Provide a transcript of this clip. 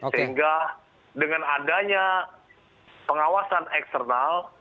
sehingga dengan adanya pengawasan eksternal